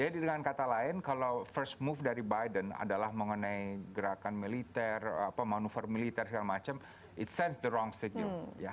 jadi dengan kata lain kalau first move dari biden adalah mengenai gerakan militer apa manuver militer segala macam it sends the wrong signal